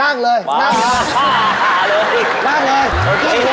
นั่งเลยนั่งมามามามา